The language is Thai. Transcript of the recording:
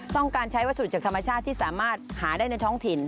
ต้องการใช้วัสดุจากธรรมชาติที่สามารถหาได้ในท้องถิ่น